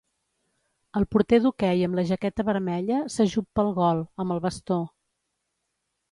El porter d'hoquei amb la jaqueta vermella s'ajup pel gol, amb el bastó.